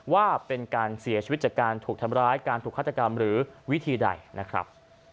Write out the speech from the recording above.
ว่าเป็นการเสียชีวิตจากการถูกทำร้ายการถูกฆาตกรรมหรือวิธีใดนะครับ